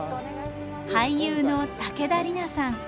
俳優の武田梨奈さん。